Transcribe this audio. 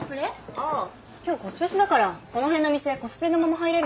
ああ今日コスフェスだからこの辺の店コスプレのまま入れるんだよ。